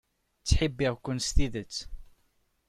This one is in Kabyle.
Ttḥibbiɣ-ken s tidet.